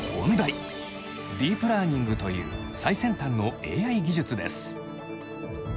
ディープラーニングという最先端のＡＩ技術です。